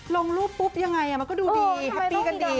ลงรูปปุ๊บยังไงมันก็ดูดีแฮปปี้กันดี